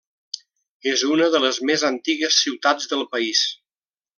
És una de les més antigues ciutats del país.